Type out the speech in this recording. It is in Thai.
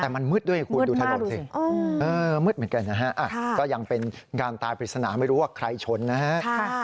แต่มันมืดด้วยคุณดูถนนสิมืดเหมือนกันนะฮะก็ยังเป็นงานตายปริศนาไม่รู้ว่าใครชนนะฮะ